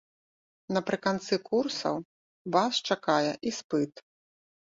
Напрыканцы курсаў вас чакае іспыт.